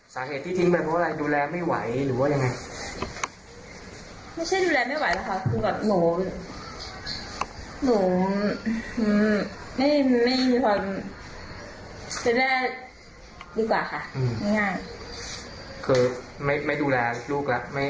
สาเหตุที่ทิ้งไปเพราะอะไรดูแลไม่ไหวหรือว่ายังไง